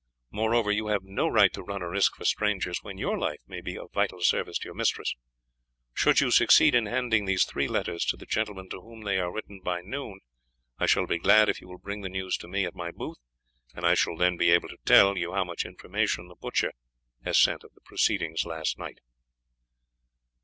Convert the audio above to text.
Moreover, you have no right to run a risk for strangers when your life may be of vital service to your mistress. Should you succeed in handing these three letters to the gentlemen to whom they are written by noon, I shall be glad if you will bring the news to me at my booth, and I shall then be able to tell, you how much information the butcher has sent of the proceedings last night."